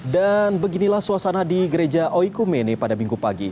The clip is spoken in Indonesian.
dan beginilah suasana di gereja oikumene pada minggu pagi